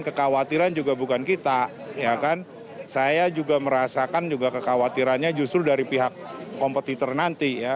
kekhawatiran juga bukan kita ya kan saya juga merasakan juga kekhawatirannya justru dari pihak kompetitor nanti ya